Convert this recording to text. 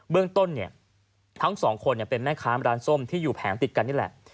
เรื่องต้นเนี่ยทั้งสองคนเป็นแม่ค้าร้านส้มที่อยู่แผงติดกันนี่แหละ